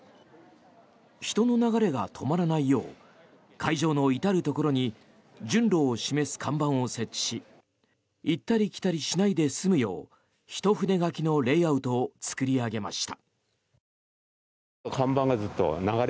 人の流れが止まらないよう会場の至るところに順路を示す看板を設置し行ったり来たりしないで済むようひと筆書きのレイアウトを作り上げました。